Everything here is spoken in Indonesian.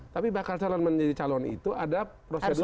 tapi bakal calon menjadi calon itu ada prosedur